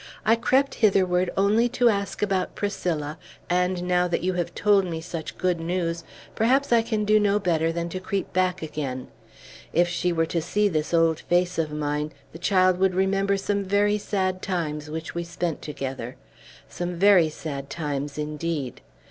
I crept hitherward only to ask about Priscilla; and now that you have told me such good news, perhaps I can do no better than to creep back again. If she were to see this old face of mine, the child would remember some very sad times which we have spent together. Some very sad times, indeed!